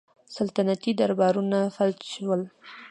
سلطنتي دربارونه فلج شول.